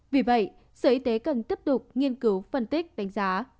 vì vậy sở y tế cần tiếp tục nghiên cứu phân tích đánh giá